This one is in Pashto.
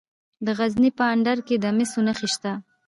د غزني په اندړ کې د مسو نښې شته.